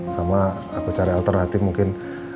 sama aku cari alternatif mungkin